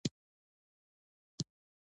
الوتکه د عمان پلازمینې ته ورسېده.